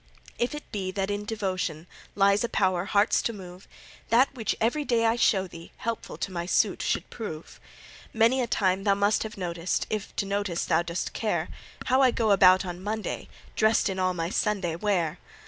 If it be that in devotion Lies a power hearts to move, That which every day I show thee, Helpful to my suit should prove. Many a time thou must have noticed If to notice thou dost care How I go about on Monday Dressed in all my Sunday wear.